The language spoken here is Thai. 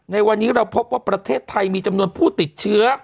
ในวันนี้เราพบว่าประเทศไทยมีจำนวนผู้ติดเชื้อ